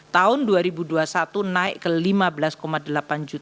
tahun dua ribu dua puluh satu naik ke lima belas delapan juta